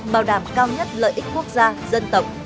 bảo đảm cao nhất lợi ích quốc gia dân tộc